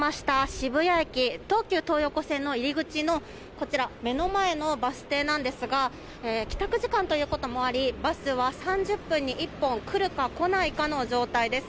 渋谷駅、東急東横線の入り口の目の前のバス停なんですが帰宅時間ということもありバスは３０分に１本来るか来ないかの状態です。